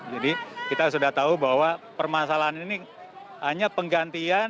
jadi kita sudah tahu bahwa permasalahan ini hanya penggantian